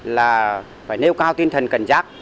là phải nêu cao tinh thần cần giác